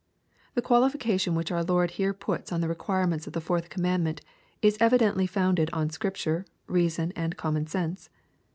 The qualification which our Lord here puts on the requirements of the fourth commandment, is evidently founded on Scripture, reason, and common sense.